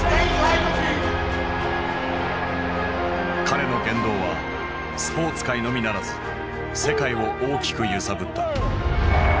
彼の言動はスポーツ界のみならず世界を大きく揺さぶった。